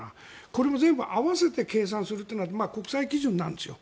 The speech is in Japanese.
これも全部合わせて計算するというのが国際基準なんですよ。